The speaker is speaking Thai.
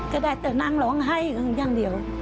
ก็ได้แต่นั่งร้องไห้อย่างเดียว